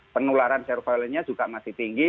penularan surveillance nya juga masih tinggi